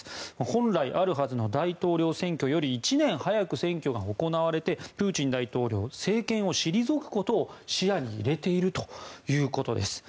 本来あるはずの大統領選挙より１年早く選挙が行われてプーチン大統領政権を退くことを視野に入れているということです。